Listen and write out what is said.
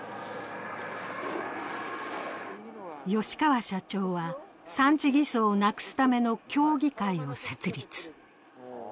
吉川社長は、産地偽装をなくすための協議会を設立。